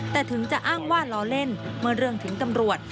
แต่ถึงจะอ้างว่าล้อเล่นเมื่อเรื่องถึงตำรวจ